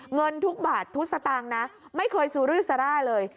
เงินทุกบาททุกสตางค์นะไม่เคยซูรือซาร่าเลย